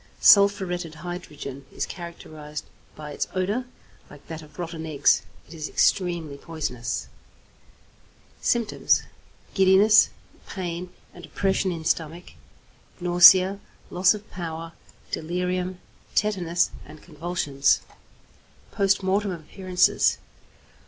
=Sulphuretted Hydrogen= is characterized by its odour, like that of rotten eggs. It is extremely poisonous. Symptoms. Giddiness, pain and oppression in stomach, nausea, loss of power; delirium, tetanus, and convulsions. _Post Mortem Appearances.